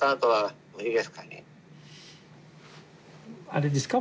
あれですか？